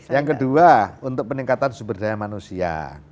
yang kedua untuk peningkatan sumber daya manusia